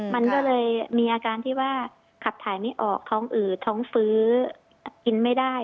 มันก็เลยมีอาการที่ว่าขับถ่ายไม่ออกท้องอืดท้องฟื้อกินไม่ได้